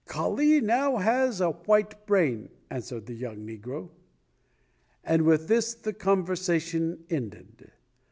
"Kali now has a white brain," answered the young negro. And with this the conversation ended.